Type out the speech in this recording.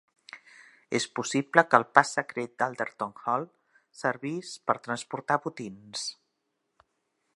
És possible que el pas secret d'Alderton Hall servís per transportar botins.